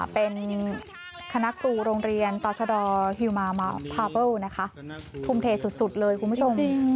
เป็นคณะครูโรงเรียนต่อชะดอฮิวมาพาเบิลนะคะทุ่มเทสุดเลยคุณผู้ชม